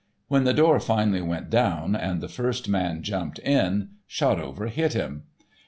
When the door finally went down and the first man jumped in, Shotover hit him.